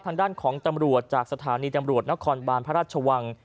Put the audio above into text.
ทางด้านของตำรวจจากสถานีตรรวจนครบุรันย์พระราชวงศ์